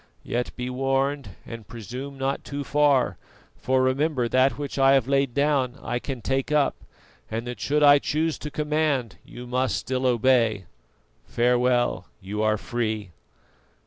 Yet be warned and presume not too far, for remember that which I have laid down I can take up, and that should I choose to command, you must still obey. Farewell, you are free."